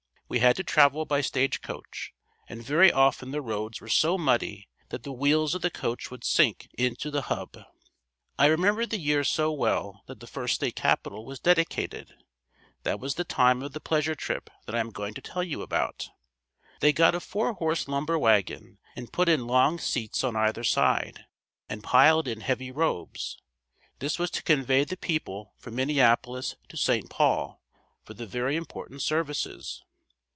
We had to travel by stage coach and very often the roads were so muddy that the wheels of the coach would sink in to the hub. I remember the year so well that the first State Capitol was dedicated. That was the time of the pleasure trip that I am going to tell you about. They got a four horse lumber wagon and put in long seats on either side, and piled in heavy robes. This was to convey the people from Minneapolis to St. Paul for the very important services.